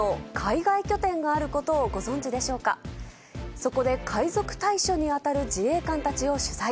そこで海賊対処に当たる自衛官たちを取材。